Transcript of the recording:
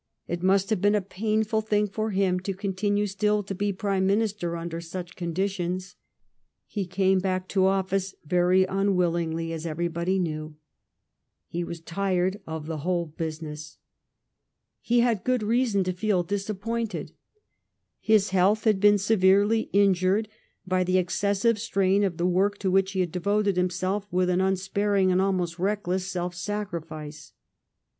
It must have been a painful thing for him to continue still to be Prime Minister under such conditions. He came back to office QjHORNE House. Isle of Wight (t'roni 3 phologtaphby Frith & Co., Rtiealc, EDgland) very unwillingly, as everybody knew. He was tired of the whole business. He had good rea son to feel disappointed. His health had been severely injured by the excessive strain of the work to which he had devoted himself with an unsparing and almost reckless self sacrifice.